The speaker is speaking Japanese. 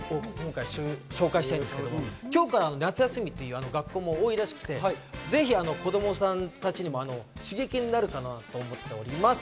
紹介したいんですが、今日から夏休みという学校も多いらしくて、子供さんたちにも刺激になるかなと思って。